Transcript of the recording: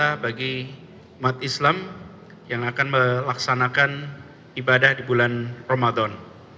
ibadah bagi umat islam yang akan melaksanakan ibadah di bulan ramadan